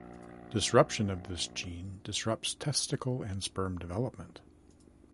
Disruption of this gene disrupts testicle and sperm development.